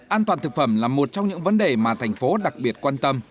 an toàn thực phẩm là một trong những vấn đề mà thành phố đặc biệt quan tâm